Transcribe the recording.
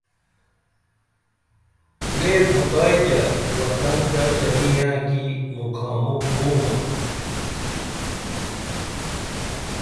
لے فتائی تیہ وطن تہ چلی یینہ کی مُکھا مُکھ بومہ